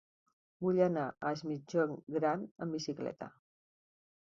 Vull anar a Es Migjorn Gran amb bicicleta.